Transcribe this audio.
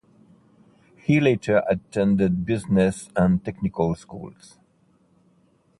He later attended business and technical schools.